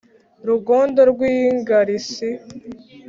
Rugondo rw' ingarisi;